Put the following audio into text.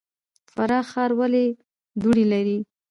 فراه ښار ولې دوړې لري؟